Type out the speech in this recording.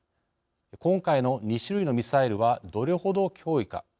今回の２種類のミサイルはどれほど脅威か。